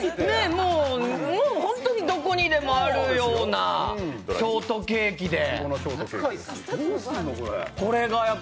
もう本当にどこにでもあるようなショートケーキで。